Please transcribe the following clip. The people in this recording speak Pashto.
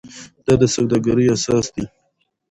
دا د سوداګرۍ اساس دی.